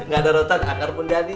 gak ada rotan akar pun jadi